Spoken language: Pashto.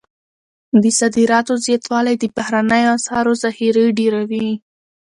د صادراتو زیاتوالی د بهرنیو اسعارو ذخیرې ډیروي.